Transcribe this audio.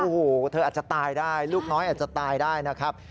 โอ้โหเธออาจจะตายได้ลูกน้อยอาจจะตายได้นะครับ